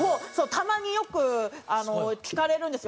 たまによく聞かれるんですよ。